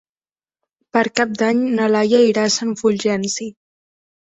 Per Cap d'Any na Laia irà a Sant Fulgenci.